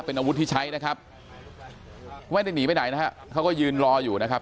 เป็นอาวุธที่ใช้นะครับไม่ได้หนีไปไหนนะฮะเขาก็ยืนรออยู่นะครับ